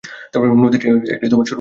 নদীটি একটি সরু প্রকৃতির জলধারা।